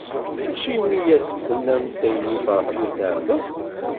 Acimi i as-tennamt ayenni i Ferḥat n At Ɛebbas?